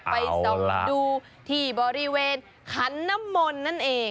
ไปส่องดูที่บริเวณขันน้ำมนต์นั่นเอง